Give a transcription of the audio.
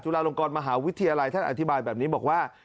ลงกรมหาวิทยาลัยท่านอธิบายแบบนี้บอกว่า